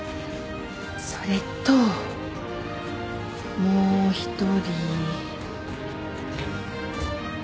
それともう一人。